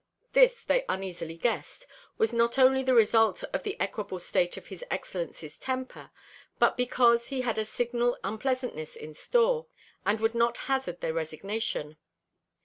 This, they uneasily guessed, was not only the result of the equable state of his excellency's temper, but because he had a signal unpleasantness in store, and would not hazard their resignation.